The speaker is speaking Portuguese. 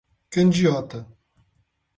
Candiota